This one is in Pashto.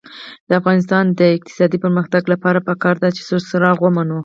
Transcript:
د افغانستان د اقتصادي پرمختګ لپاره پکار ده چې سور څراغ ومنو.